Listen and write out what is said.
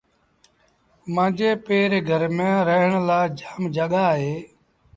مآݩجي پي ري گھر ميݩ رآهڻ لآ جآم جآڳآ اهي۔